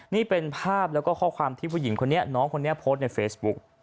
นี่เป็นภาพแล้วก็ข้อความที่ผู้หญิงคนนี้น้องคนนี้โพสต์ในเฟซบุ๊ก